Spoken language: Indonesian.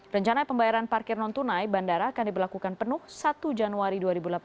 rencana pembayaran parkir non tunai bandara akan diberlakukan penuh satu januari dua ribu delapan belas